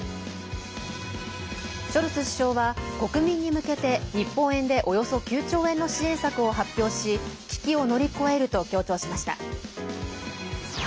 ショルツ首相は国民に向けて日本円でおよそ９兆円の支援策を発表し危機を乗り越えると強調しました。